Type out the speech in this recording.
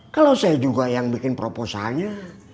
kalau saya juga yang bikin proposalnya